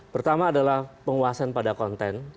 pertama adalah penguasaan pada konten